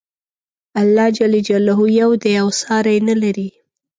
الله ج یو دی او ساری نه لري.